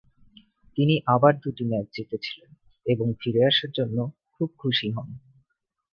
তিনি আবার দুইটি ম্যাচ জিতেছিলেন এবং ফিরে আসার জন্য খুব খুশি হন।